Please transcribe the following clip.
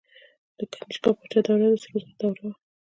د کنیشکا پاچا دوره د سرو زرو دوره وه